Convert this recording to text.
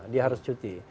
dia harus cuti